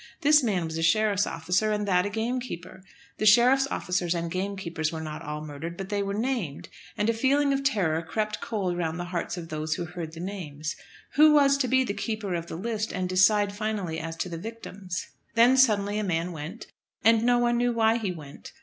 This man was a sheriff's officer, and that a gamekeeper. The sheriffs' officers and gamekeepers were not all murdered, but they were named, and a feeling of terror crept cold round the hearts of those who heard the names. Who was to be the keeper of the list and decide finally as to the victims? Then suddenly a man went, and no one knew why he went.